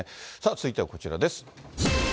続いてはこちらです。